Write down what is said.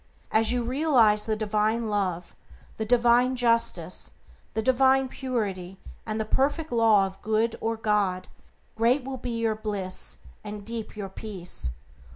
As you realize the divine Love, the divine Justice, the divine Purity, the Perfect Law of Good, or God, great will be your bliss and deep your peace.